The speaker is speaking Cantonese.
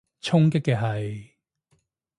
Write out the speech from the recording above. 衝擊嘅係？